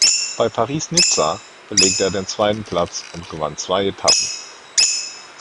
Bei Paris–Nizza belegte er den zweiten Platz und gewann zwei Etappen.